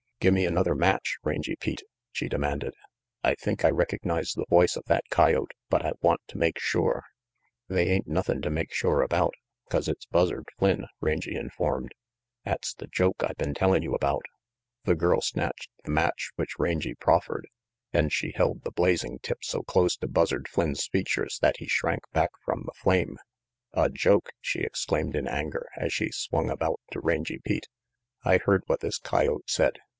"Gimme another match, Rangy Pete," she demanded. "I think I recognize the voice of that coyote, but I want to make sure." "They ain't nothin' to make shore about, 'cause it's Buzzard Flynn," Rangy informed. " 'At's the joke I been tellin' you about." 116 RANGY PETE The girl snatched the match which Rangy proffered, and she held the blazing tip so close to Buzzard Flynn's features that he shrank back from the flame. "A joke?" she exclaimed in anger, as she swung about to Rangy Pete. "I heard what this coyote said.